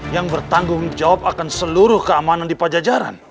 yang bertanggung jawab akan seluruh keamanan di pajajaran